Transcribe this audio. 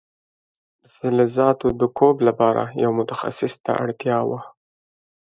د فلزاتو د کوب لپاره یو متخصص ته اړتیا وه.